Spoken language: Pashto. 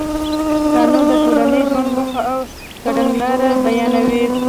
قانون د ټولنیز ژوند موخه او کړنلاره بیانوي.